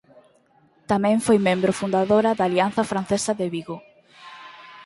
Tamén foi membro fundadora da Alianza Francesa de Vigo.